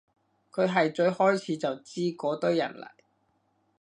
佢係最開始就知嗰堆人嚟